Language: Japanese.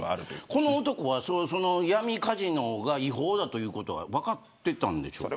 この男は闇カジノが違法だと分かっていたんでしょうか。